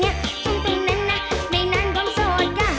จงตรงนั้นน่ะไม่นานความโสดก็หาย